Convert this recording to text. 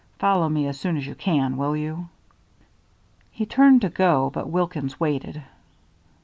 Follow me as soon as you can, will you?" He turned to go, but Wilkins waited.